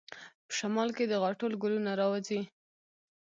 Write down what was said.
په شمال کې د غاټول ګلونه راوځي.